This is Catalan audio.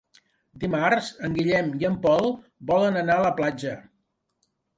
Dimarts en Guillem i en Pol volen anar a la platja.